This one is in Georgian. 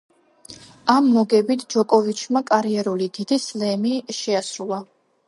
ამ მოგებით, ჯოკოვიჩმა კარიერული დიდი სლემი შეასრულა.